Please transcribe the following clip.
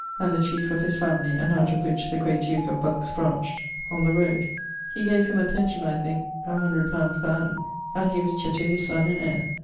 and the chiefe of his family, and out of which the great duke of Bucks brancht) on the roade.... He gave him a pension of I thinke C_ˡⁱ_. per annum, and he was tutor to his son and heir.